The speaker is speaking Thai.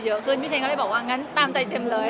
พี่เต็มมันเลยบอกงั้นตามใจเจ็มส์เลย